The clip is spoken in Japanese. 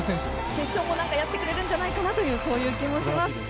決勝もやってくれるんじゃないかなという気もします。